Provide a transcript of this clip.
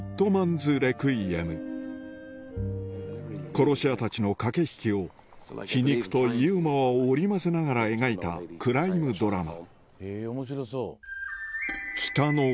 殺し屋たちの駆け引きを皮肉とユーモアを織り交ぜながら描いたクライムドラマ